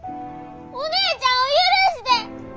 お姉ちゃんを許して！